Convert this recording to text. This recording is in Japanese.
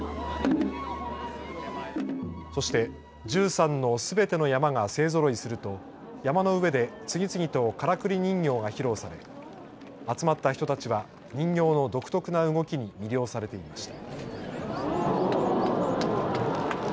そして、１３のすべての車山が勢ぞろいすると車山の上で次々とからくり人形が披露され集まった人たちは人形の独特な動きに魅了されていました。